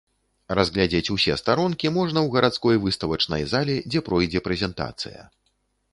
Разгледзець усе старонкі можна ў гарадской выставачнай зале, дзе пройдзе прэзентацыя.